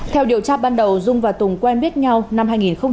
theo điều tra ban đầu dung và tùng quen biết nhau năm hai nghìn một mươi